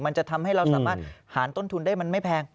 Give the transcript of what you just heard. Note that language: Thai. มันจะทำให้เราสามารถหารต้นทุนได้มันไม่แพง